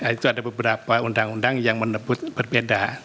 itu ada beberapa undang undang yang menyebut berbeda